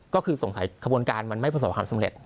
ก็คือสงสัยขบวนการมันไม่ประสบความสำเร็จ